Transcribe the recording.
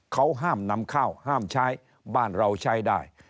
เขาห้ามนำข้าวห้ามใช้บ้านเราใช้ได้